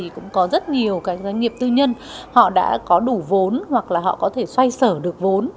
cũng có rất nhiều doanh nghiệp tư nhân đã có đủ vốn hoặc có thể xoay sở được vốn